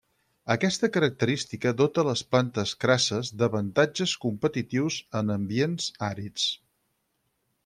Aquesta característica dota a les plantes crasses d'avantatges competitius en ambients àrids.